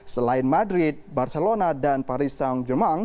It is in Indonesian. selain madrid barcelona dan paris saint germain